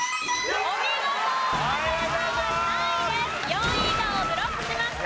４位以下をブロックしました。